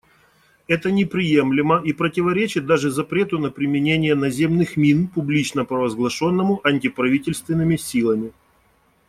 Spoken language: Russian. Это неприемлемо и противоречит даже запрету на применение наземных мин, публично провозглашенному антиправительственными силами.